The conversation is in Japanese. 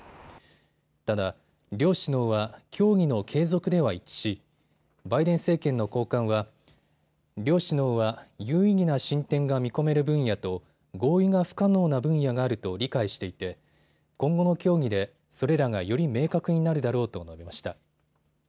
ただ、両首脳は協議の継続では一致しバイデン政権の高官は両首脳は有意義な進展が見込める分野と合意が不可能な分野があると理解していて今後の協議でそれらがより明確になるだろうと述べました。